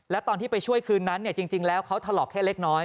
แล้วตอนที่ไปช่วยคืนนั้นจริงแล้วเขาถลอกแค่เล็กน้อย